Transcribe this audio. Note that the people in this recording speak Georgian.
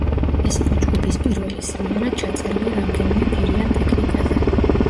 ეს იყო ჯგუფის პირველი სიმღერა, ჩაწერილი რამდენიმე ფირიან ტექნიკაზე.